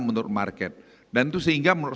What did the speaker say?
menurut market dan itu sehingga menurut